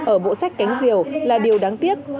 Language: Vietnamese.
ở bộ sách cánh rìu là điều đáng tiếc